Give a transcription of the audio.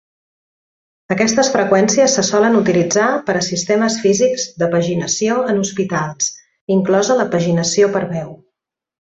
Aquestes freqüències se solen utilitzar per a sistemes físics de paginació en hospitals, inclosa la paginació per veu.